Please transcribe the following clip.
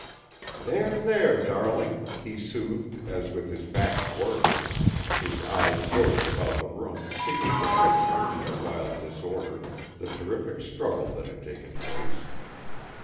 "There, there, darling," he soothed, as with his back toward her, his eyes roved about the room seeking to picture, in the wild disorder, the terrific struggle that had taken place.